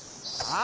あ？